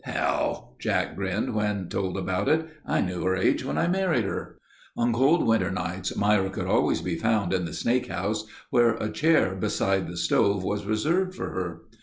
"Hell—" Jack grinned when told about it. "I knew her age when I married her." On cold winter nights Myra could always be found in the Snake House where a chair beside the stove was reserved for her.